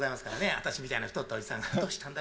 私みたいな太ったおじさんが、どうしたんだい？